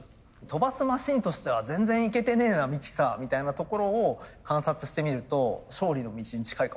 飛ばすマシンとしては全然いけてねえなミキサーみたいなところを観察してみると勝利の道に近いかもしれない。